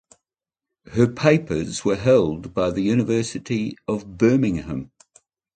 Her papers are held by the University of Birmingham.